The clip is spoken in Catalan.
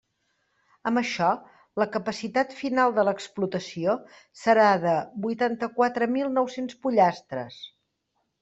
Amb això, la capacitat final de l'explotació serà de huitanta-quatre mil nou-cents pollastres.